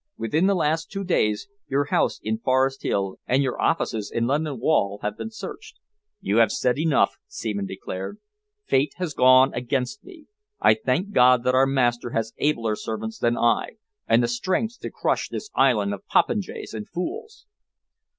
"Within the last two days, your house in Forest Hill and your offices in London Wall have been searched." "You have said enough," Seaman declared. "Fate has gone against me. I thank God that our master has abler servants than I and the strength to crush this island of popinjays and fools!"